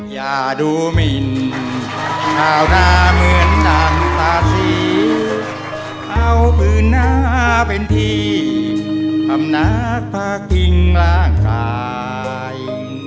อย่าดูมินข้าวหน้าเหมือนดั่งตาชีข้าวพื้นหน้าเป็นทีคำนักพกิงร่างกาย